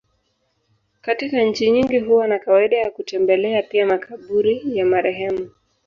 Katika nchi nyingi huwa na kawaida ya kutembelea pia makaburi ya marehemu.